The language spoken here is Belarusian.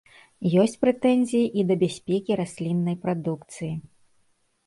Ёсць прэтэнзіі і да бяспекі расліннай прадукцыі.